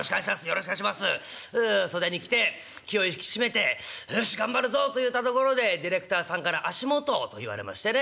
袖に来て気を引き締めて「よし頑張るぞ」といったところでディレクターさんから「足元」と言われましてね